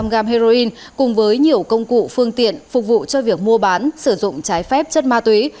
một trăm linh g heroin cùng với nhiều công cụ phương tiện phục vụ cho việc mua bán sử dụng trái phép chất ma túy